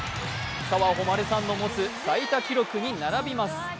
澤穂希さんの持つ最多記録に並びます。